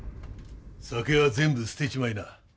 酒は全部捨てちまいな。